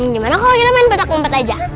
gimana kalau kita main batak umpet aja